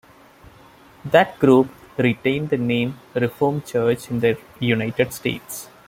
That group retained the name Reformed Church in the United States.